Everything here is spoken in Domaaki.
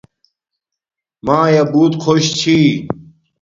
مایا بوت خوش چھی